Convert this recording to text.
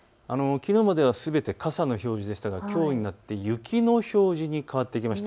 きのうまではすべて傘の表示でしたが、きょうになって雪の表示に変わってきました。